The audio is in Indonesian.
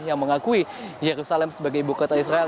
yang mengakui yerusalem sebagai ibu kota israel